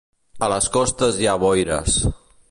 A les costes hi ha boires.